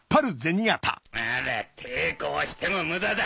ほら抵抗しても無駄だ。